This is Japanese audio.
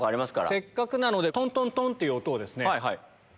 せっかくなのでトントントン！っていう。